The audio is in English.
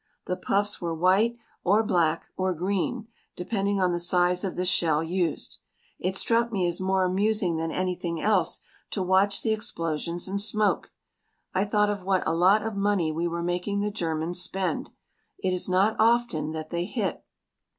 The puffs were white, or black, or green, depending on the size of the shell used. It struck me as more amusing than anything else to watch the explosions and smoke. I thought of what a lot of money we were making the Germans spend. It is not often that they hit.